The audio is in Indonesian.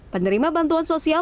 penerima bantuan sosial